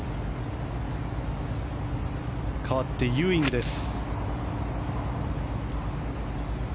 かわってユーイングです。